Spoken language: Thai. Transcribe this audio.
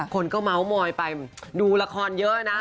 คนก็เมาส์มอยไปดูละครเยอะนะ